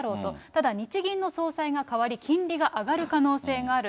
ただ、日銀の総裁が代わり、金利が上がる可能性がある。